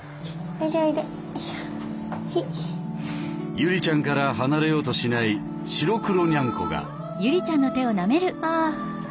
祐里ちゃんから離れようとしない白黒ニャンコが。